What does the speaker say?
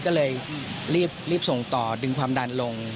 ก็เลยรีบส่งต่อดึงความดันลง